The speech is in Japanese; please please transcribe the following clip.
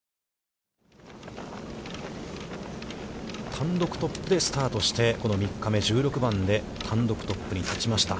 単独トップでスタートして、この３日目、１６番で、単独トップに立ちました。